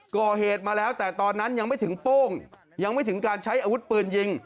ก่อเหตุมาแล้วแต่ตอนนั้นยังไม่ถึงโป้งยังไม่ถึงการใช้อาวุธปืนยิง